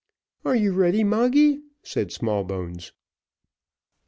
"Are you all ready, Moggy?" said Smallbones.